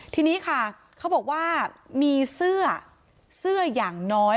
ทีนี้ค่ะเขาบอกว่ามีเสื้อเสื้ออย่างน้อย